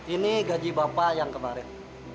ini gaji bapak yang kemarin